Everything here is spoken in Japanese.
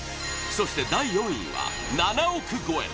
そして第４位は７億超え！